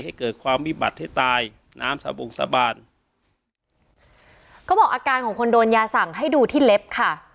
ให้เกิดความวิบัติให้ตายน้ำสาบงสาบานก็บอกอาการของคนโดนยาสั่งให้ดูที่เล็บค่ะ